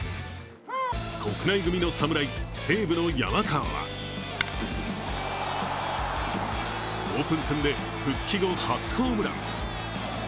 国内組の侍、西武の山川はオープン戦で復帰後、初ホームラン。